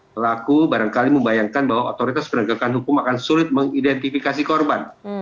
pelaku barangkali membayangkan bahwa otoritas penegakan hukum akan sulit mengidentifikasi korban